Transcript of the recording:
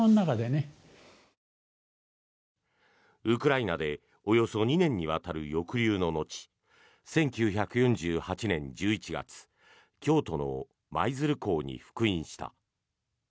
ウクライナでおよそ２年にわたる抑留の後１９４８年１１月京都の舞鶴港に復員した。